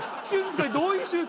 手術